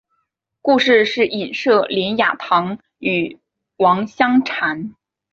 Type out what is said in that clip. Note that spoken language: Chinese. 故事是隐射连雅堂与王香禅。